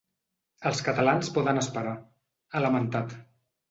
“Els catalans poden esperar”, ha lamentat.